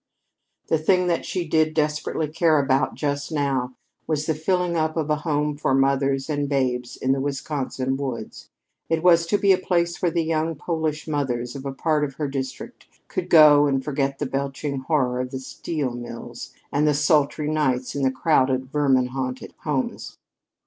The thing that she did desperately care about just now was the fitting up of a home for mothers and babes in the Wisconsin woods. It was to be a place where the young Polish mothers of a part of her district could go and forget the belching horror of the steel mills, and the sultry nights in the crowded, vermin haunted homes.